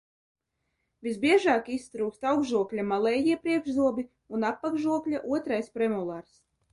Visbiežāk iztrūkst augšžokļa malējie priekšzobi un apakšžokļa otrais premolars.